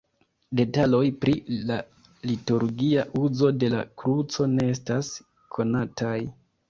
Detaloj pri la liturgia uzo de la kruco ne estas konataj.